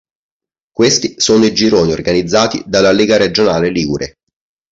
Questi sono i gironi organizzati dalla Lega Regionale Ligure.